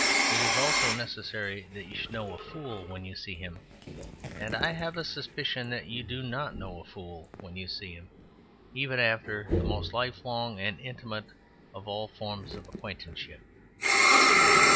It is also necessary that you should know a fool when you see him; and I have a suspicion that you do not know a fool when you see him, even after the most lifelong and intimate of all forms of acquaintanceship."